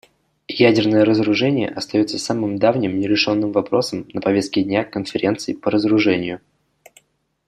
Ядерное разоружение остается самым давним нерешенным вопросом на повестке дня Конференции по разоружению.